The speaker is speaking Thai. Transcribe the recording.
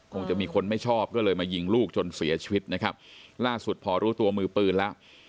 คงจะมีคนไม่ชอบก็เลยมายิงลูกจนเสียชีวิตนะครับล่าสุดพอรู้ตัวมือปืนแล้ว